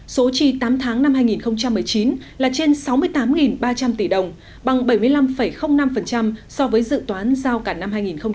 số chi tám tháng năm hai nghìn một mươi chín là trên sáu mươi tám ba trăm linh tỷ đồng bằng bảy mươi năm năm so với dự toán giao cả năm hai nghìn một mươi chín